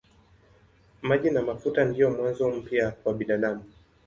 Maji na mafuta ndiyo mwanzo mpya kwa binadamu.